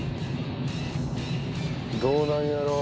どうなんやろう。